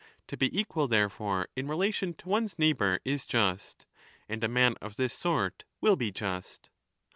To be equal therefore in relation to one's neighbour is just, and a man of this sort will be just.